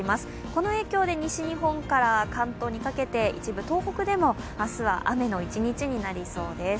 この影響で西日本から関東にかけて一部東北でも明日は雨の一日になりそうです。